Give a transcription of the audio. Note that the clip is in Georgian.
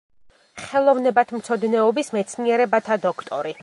ხელოვნებათმცოდნეობის მეცნიერებათა დოქტორი.